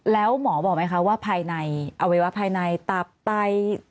แล้วหมอบอกไหมคะว่าภายในอวัยวะภายในตับไต